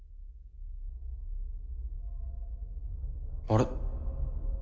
あれ？